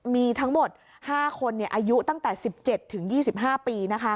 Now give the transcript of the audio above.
มีทั้งหมด๕คนเนี่ยอายุตั้งแต่๑๗๒๕ปีนะคะ